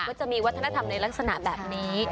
ก็จะมีวัฒนธรรมในลักษณะแบบนี้